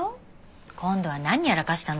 今度は何やらかしたの？